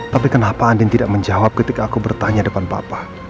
tapi kenapa andin tidak menjawab ketika aku bertanya depan bapak